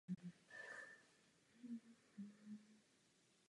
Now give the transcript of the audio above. Mladí ptáci vypadají jako samice.